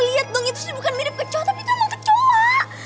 lihat dong itu sih bukan mirip kecoa tapi itu emang kecoa